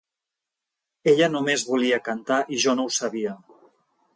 Ella només volia cantar, i jo no ho sabia.